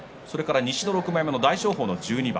６枚目の大翔鵬、１２番。